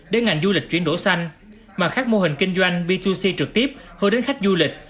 đến ngành du lịch chuyển đổi xanh mà khác mô hình kinh doanh b hai c trực tiếp hướng đến khách du lịch